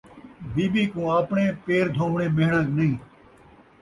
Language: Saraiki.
بی بی کوں آپݨے پیر دھووݨے مہݨا نئیں